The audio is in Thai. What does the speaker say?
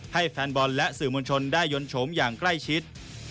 แฟนบอลและสื่อมวลชนได้ยนต์โฉมอย่างใกล้ชิด